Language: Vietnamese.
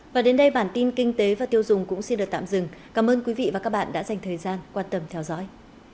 và đến đây bản tin kinh tế và tiêu dùng cũng xin được tạm dừng cảm ơn quý vị và các bạn đã dành thời gian quan tâm theo dõi